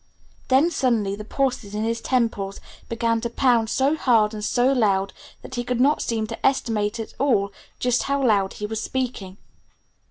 Then suddenly the pulses in his temples began to pound so hard and so loud that he could not seem to estimate at all just how loud he was speaking.